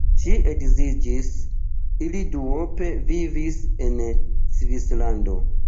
Ŝi edziniĝis, ili duope vivis en Svislando.